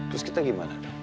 terus kita gimana